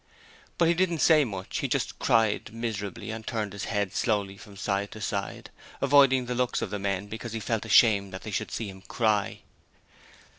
But he didn't say much, he just cried miserably, and turned his head slowly from side to side, avoiding the looks of the men because he felt ashamed that they should see him cry.